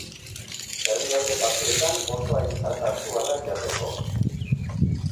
Herrialde batzuetan oso aintzat hartua da jateko.